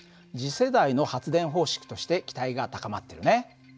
次世代の発電方式として期待が高まってるね。